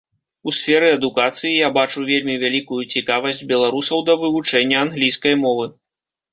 У сферы адукацыі я бачу вельмі вялікую цікавасць беларусаў да вывучэння англійскай мовы.